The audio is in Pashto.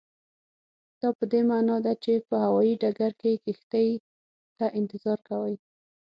دا پدې معنا ده چې په هوایي ډګر کې کښتۍ ته انتظار کوئ.